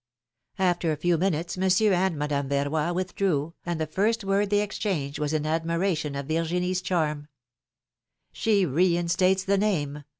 After a few minutes. Monsieur and Madame Verroy withdrew, and the first word they exchanged was in admiration of Virginie's charm. ^^She reinstates the name